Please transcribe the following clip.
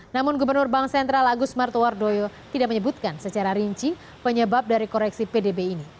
namun gubernur bank sentral agus martowardoyo tidak menyebutkan secara rinci penyebab dari koreksi pdb ini